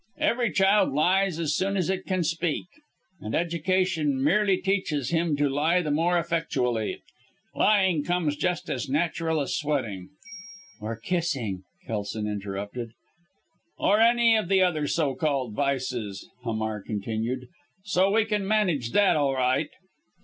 Every child lies as soon as it can speak; and education merely teaches him to lie the more effectually. Lying comes just as natural as sweating " "Or kissing," Kelson interrupted. "Or any of the other so called vices," Hamar continued. "So we can manage that all right.